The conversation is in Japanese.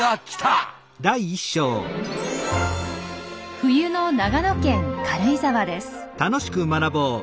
冬の長野県軽井沢です。